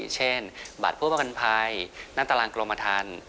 เช่นบัตรผู้ประกันภัยหน้าตารางกรมทัน